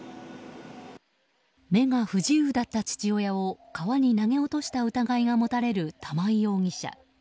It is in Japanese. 目が不自由だった父親を川に投げ落とした疑いが持たれる玉井容疑者。